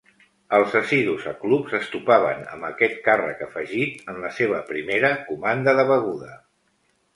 Els assidus a clubs es topaven amb aquest càrrec afegit en la seva primera comanda de beguda.